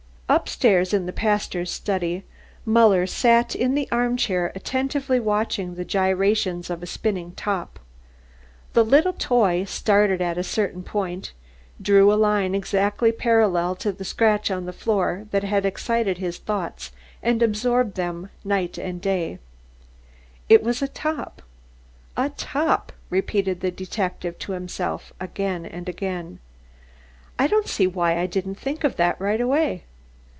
Upstairs in the pastor's study, Muller sat in the armchair attentively watching the gyrations of a spinning top. The little toy, started at a certain point, drew a line exactly parallel to the scratch on the floor that had excited his thoughts and absorbed them day and night. "It was a top a top" repeated the detective to himself again and again. "I don't see why I didn't think of that right away.